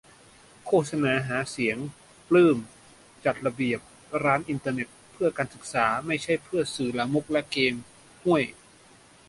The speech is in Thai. โฆษณาหาเสียง-ปลื้ม :"จัดระเบียบ ร้านอินเทอร์เน็ต เพื่อการศึกษา ไม่ใช่เพื่อสื่อลามกและเกมส์" - ฮ่วย !